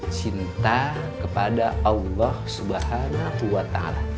cinta kepada allah subhanahu wa ta'ala